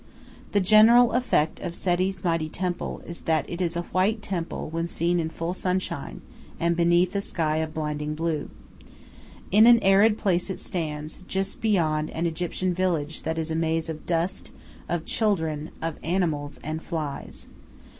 The general effect of Seti's mighty temple is that it is a white temple when seen in full sunshine and beneath a sky of blinding blue. In an arid place it stands, just beyond an Egyptian village that is a maze of dust, of children, of animals, and flies.